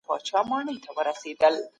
څرنګه کولای سو چي په هېواد کې سوله راولو؟